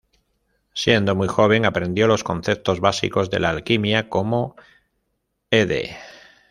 Siendo muy joven aprendió los conceptos básicos de la alquimia, como Ed.